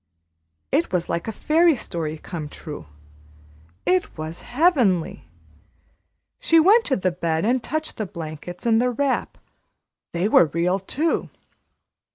It was like a fairy story come true it was heavenly. She went to the bed and touched the blankets and the wrap. They were real too.